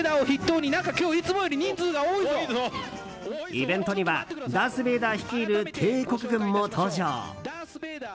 イベントにはダース・ベイダー率いる帝国軍も登場。